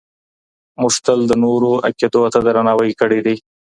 موږ تل د نورو عقیدو ته درناوی کړی دی.